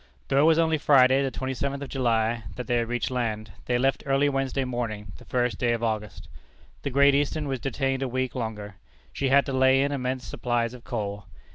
Though it was only Friday, the 27th of July, that they reached land, they left early Wednesday morning, the first day of August. The Great Eastern was detained a week longer. She had to lay in immense supplies of coal.